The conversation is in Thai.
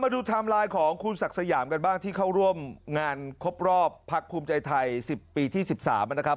เขาไปหมายรายของคุณสักษะยามกันบ้างที่เข้าร่วมงานครบรอบพักภูมิใจไทย๑๐ปีที่๑๓อันนะครับ